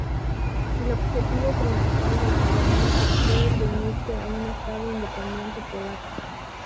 El objetivo principal del parlamento fue el de unirse a un Estado independiente polaco.